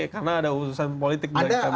karena ada urusan politik dari kami